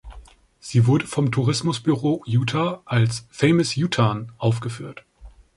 Sie wurde vom Tourismusbüro Utah als „Famous Utahn“ aufgeführt.